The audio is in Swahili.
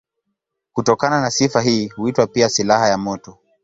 Kutokana na sifa hii huitwa pia silaha ya moto.